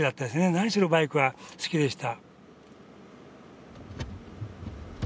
何しろバイクは好きでした。